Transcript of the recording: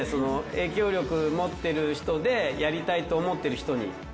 影響力持ってる人でやりたいと思ってる人に。